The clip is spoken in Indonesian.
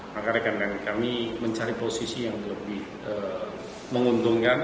maka rekan rekan kami mencari posisi yang lebih menguntungkan